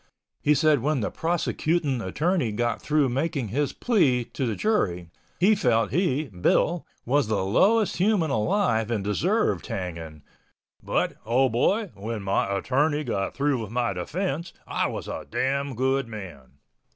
He said when the "prosecutin'" attorney got through making his plea to the jury, he felt he (Bill) was the lowest human alive and deserved hanging, "but, oh boy, when my attorney got through with my defense, I was a damn good man!"